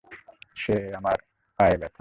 যে আমার পা ব্যাথা।